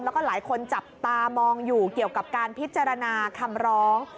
แล้วก็หลายคนจับตามองอยู่เกี่ยวกับการพิจารณาคำร้อง